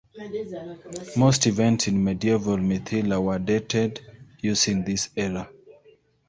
Most events in medieval Mithila were dated using this era.